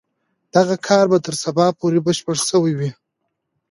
دغه کار به تر سبا پورې بشپړ سوی وي.